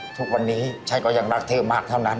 ทุกวันนี้ฉันก็ยังรักเธอมากเท่านั้น